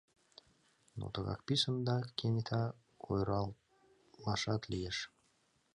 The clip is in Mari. Но тыгак писын да кенета ойырлашат лиеш